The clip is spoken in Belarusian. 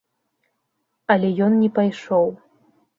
Але ён не пайшоў.